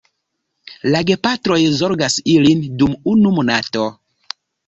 La gepatroj zorgas ilin dum unu monato.